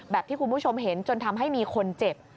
ที่คุณผู้ชมเห็นจนทำให้มีคนเจ็บ